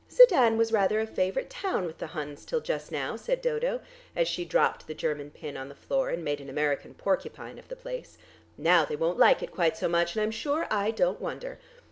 "Sedan was rather a favourite town with the Huns till just now," said Dodo, as she dropped the German pin on the floor and made an American porcupine of the place. "Now they won't like it quite so much, and I'm sure I don't wonder.